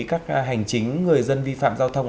các hành chính người dân vi phạm giao thông